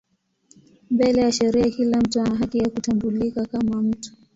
Mbele ya sheria kila mtu ana haki ya kutambulika kama mtu.